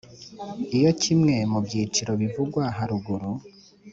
Iyo kimwe mu byiciro bivugwa haruguru